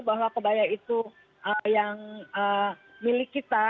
bahwa kebaya itu yang milik kita